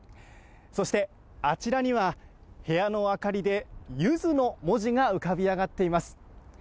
そしてあちらには部屋の明かりでゆずの文字が浮かび上がっています。